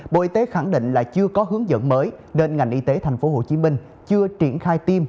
bộ y tế khẳng định là chưa có hướng dẫn mới nên ngành y tế tp hcm chưa triển khai tiêm